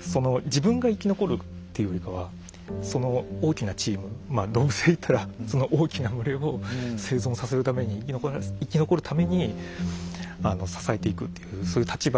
その自分が生き残るっていうよりかはその大きなチームまあ動物で言ったらその大きな群れを生存させるために生き残るために支えていくっていうそういう立場に変わりましたね。